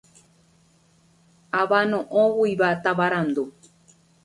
Avano'õguigua tavarandu.